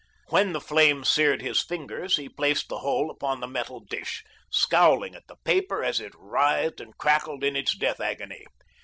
When the flame seared his fingers, he placed the whole upon the metal dish, scowling at the paper as it writhed and crackled in its death agony.